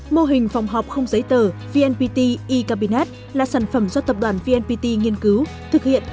mô hình phòng họp không giấy tờ vnpt e cabinet là sản phẩm do tập đoàn vnpt nghiên cứu thực hiện